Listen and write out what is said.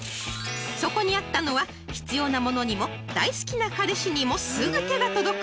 ［そこにあったのは必要なものにも大好きな彼氏にもすぐ手が届く